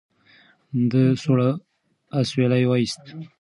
ده سوړ اسویلی وایست.